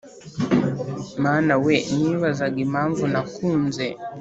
mana we nibazaga impamvu nakunze